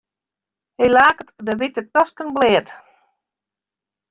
Hy laket de wite tosken bleat.